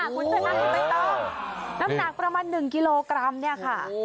คุณชนะคุณไม่ต้องน้ำหนักประมาณ๑กิโลกรัมเนี่ยค่ะ